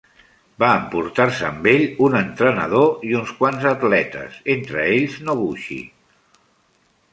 Va emportar-se amb ell un entrenador i uns quants atletes, entre ells Noguchi.